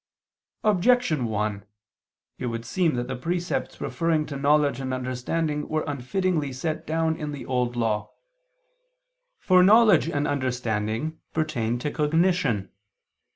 Objection 1: It would seem that the precepts referring to knowledge and understanding were unfittingly set down in the Old Law. For knowledge and understanding pertain to cognition.